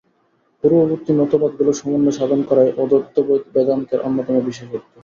পূর্ববর্তী মতবাদগুলির সমন্বয়-সাধন করাই অদ্বৈতবেদান্তের অন্যতম বিশেষত্ব।